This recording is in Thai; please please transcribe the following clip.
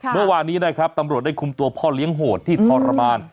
เมื่อวานนี้นะครับตำรวจได้คุมตัวพ่อเลี้ยงโหดที่ทรมาน